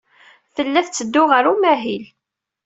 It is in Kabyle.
Tella tetteddu ɣer umahil.